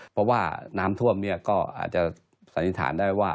เพราะว่าน้ำท่วมเนี่ยก็อาจจะสันนิษฐานได้ว่า